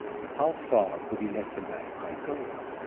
How far would he let the Magpie go?